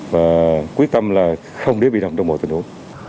và quyết tâm là không để bị đâm trong mọi tình huống